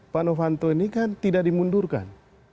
pak novanto ini kan tidak dimundurkan